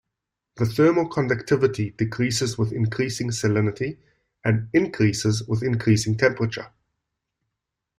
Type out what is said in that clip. The thermal conductivity decreases with increasing salinity and increases with increasing temperature.